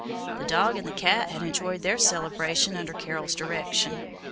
The dog and the cat had enjoyed their celebration under Carol's direction.